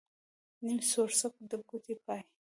نيم سوړسک ، د کوټې پاى.